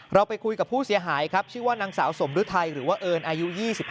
เราไปคุยกับผู้เสียหายครับชื่อว่านางสาวสมฤทัยหรือว่าเอิญอายุ๒๕